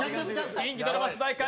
人気ドラマ主題歌